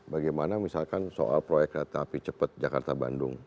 bagaimana misalkan soal proyek kereta api cepat jakarta bandung